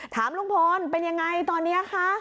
ถามลุงพลเป็นยังไงตอนนี้คะ